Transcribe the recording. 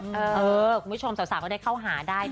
คุณผู้ชมศาวสาวก็ได้เข้าหาย